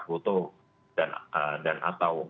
foto dan atau